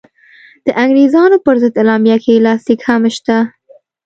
د انګرېزانو پر ضد اعلامیه کې یې لاسلیک هم شته.